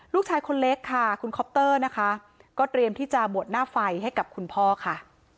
ลูกชายคนเล็กค่ะคุณคอปเตอร์นะคะก็เตรียมที่จะบวชหน้าไฟให้กับคุณพ่อค่ะ